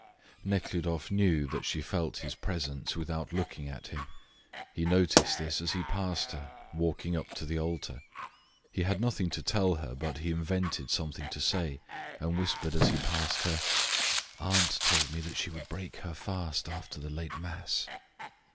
Nekhludoff knew that she felt his presence without looking at him. He noticed this as he passed her, walking up to the altar. He had nothing to tell her, but he invented something to say and whispered as he passed her: "Aunt told me that she would break her fast after the late mass."